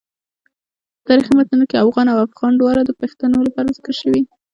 په تاریخي متونو کې اوغان او افغان دواړه د پښتنو لپاره ذکر شوي.